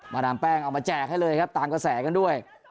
ดามแป้งเอามาแจกให้เลยครับตามกระแสกันด้วย